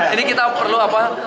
ini kita perlu apa